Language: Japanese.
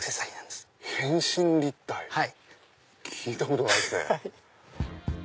聞いたことないですね。